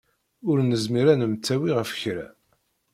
Ur nezmir ad nemtawi ɣef kra.